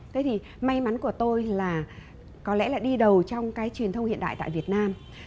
thế thì may mắn của tôi là có lẽ là đi đầu trong cái truyền thông hiện đại tại việt nam